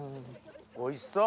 おいしそう！